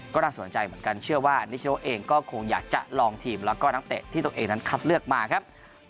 ก็น่าสนใจเหมือนกันเชื่อว่านิชโนเองก็คงอยากจะลองทีมแล้วก็นักเตะที่ตัวเองนั้นคัดเลือกมาครับ